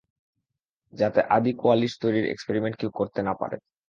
যাতে আদি কোয়ালিস্ট তৈরির এক্সপেরিমেন্ট কেউ করতে না পারে।